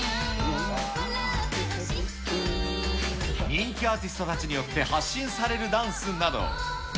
人気アーティストたちによって発信されるダンスなど。